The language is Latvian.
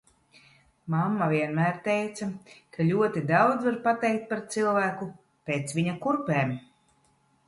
Mamma vienmēr teica, ka ļoti daudz var pateikt par cilvēku pēc viņa kurpēm.